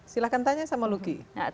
silahkan tanya sama luky